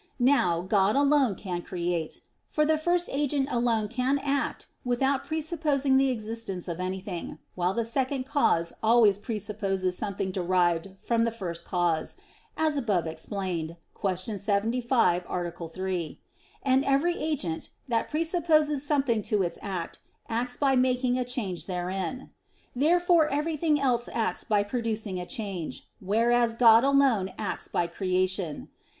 Now, God alone can create; for the first agent alone can act without presupposing the existence of anything; while the second cause always presupposes something derived from the first cause, as above explained (Q. 75, A. 3): and every agent, that presupposes something to its act, acts by making a change therein. Therefore everything else acts by producing a change, whereas God alone acts by creation.